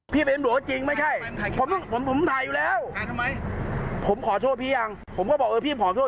พี่เป็นหลวงจริงไม่ใช่